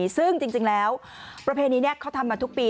ซึ่งจริงแล้วประเพณีนี้เขาทำมาทุกปี